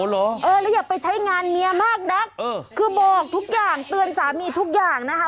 เหรอเออแล้วอย่าไปใช้งานเมียมากนักคือบอกทุกอย่างเตือนสามีทุกอย่างนะคะ